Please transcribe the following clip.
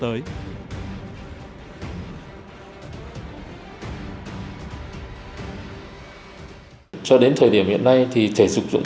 tại sea games ba mươi cho dù phải đối mặt với khá nhiều người